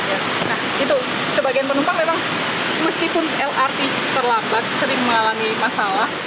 nah itu sebagian penumpang memang meskipun lrt terlambat sering mengalami masalah